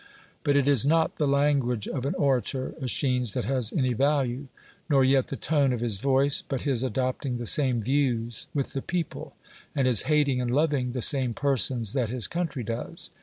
But it is not the language of an ora tor, ^schines, that has any value, nor yet the tone of his voice, but his adopting the same views with the people, and his hating and loving the same persons that his country does.